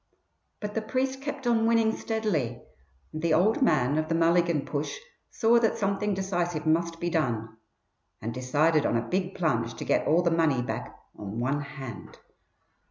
But the priest kept on winning steadily, and the "old man" of the Mulligan push saw that something decisive must be done, and decided on a big plunge to get all the money back on one hand.